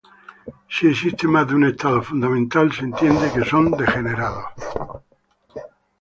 Si existe más de un estado fundamental, se entiende que son degenerados.